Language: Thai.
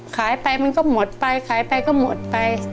ขายไปมันก็หมดไปขายไปก็หมดไป